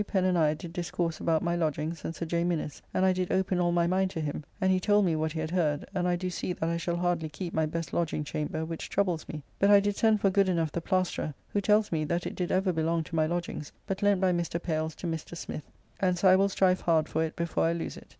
Pen and I did discourse about my lodgings and Sir J. Minnes, and I did open all my mind to him, and he told me what he had heard, and I do see that I shall hardly keep my best lodging chamber, which troubles me, but I did send for Goodenough the plasterer, who tells me that it did ever belong to my lodgings, but lent by Mr. Payles to Mr. Smith, and so I will strive hard for it before I lose it.